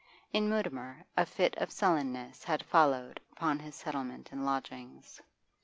In Mutimer a fit of sullenness had followed upon his settlement in lodgings.